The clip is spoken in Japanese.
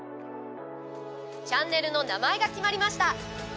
チャンネルの名前が決まりました。